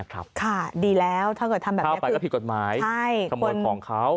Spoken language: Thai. ถ้าเขาก็ผิดกฎหมายขมวตของเขา